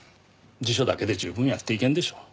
辞書だけで十分やっていけるんでしょう。